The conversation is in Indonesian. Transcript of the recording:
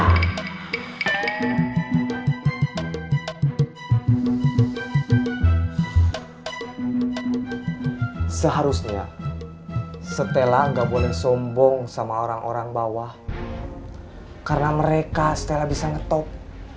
hai seharusnya setelah nggak boleh sombong sama orang orang bawah karena mereka setelah bisa ngetop